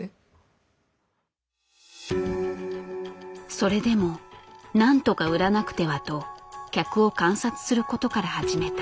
それでもなんとか売らなくてはと客を観察することから始めた。